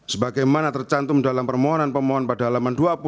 sebagaimana tercantum dalam permohonan pemohon pada halaman dua puluh